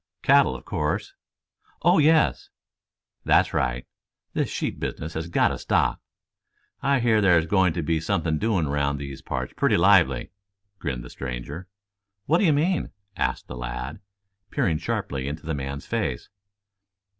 "Cattle, of course?" "Oh, yes." "That's right. This sheep business has got to stop. I hear there's going to be something doing round these parts pretty lively," grinned the stranger. "What do you mean?" asked the lad, peering sharply into the man's face.